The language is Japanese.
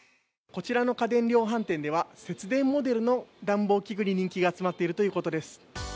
こちらの家電量販店では節電モデルの暖房器具に人気が集まっているということです。